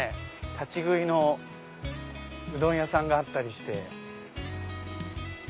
立ち食いのうどん屋さんがあったりして。